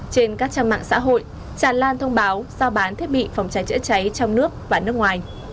trên các trang mạng xã hội tràn lan thông báo giao bán thiết bị phòng cháy chữa cháy trong nước và nước ngoài